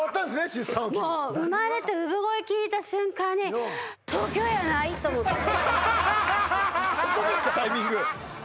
出産を機に生まれて産声聞いた瞬間に東京やないと思ったのそこですかタイミング